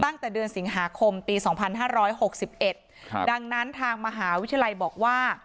ตั้งแต่เดือนสิงหาคมปีสองพันห้าร้อยหกสิบเอ็ดครับดังนั้นทางมหาวิทยาลัยบอกว่า